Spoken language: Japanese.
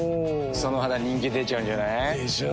その肌人気出ちゃうんじゃない？でしょう。